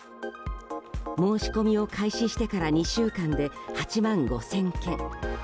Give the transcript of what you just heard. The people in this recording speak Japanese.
申し込みを開始してから２週間で８万５０００件。